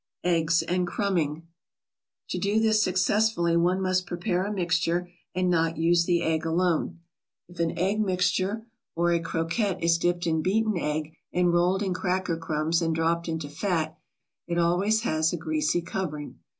EGGS AND CRUMBING To do this successfully one must prepare a mixture, and not use the egg alone. If an egg mixture or a croquette is dipped in beaten egg and rolled in cracker crumbs and dropped into fat, it always has a greasy covering.